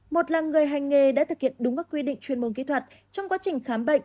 một là người hành nghề đã thực hiện đúng các quy định chuyên môn kỹ thuật trong quá trình khám bệnh